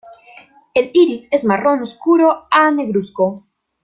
El iris es marrón oscuro a negruzco.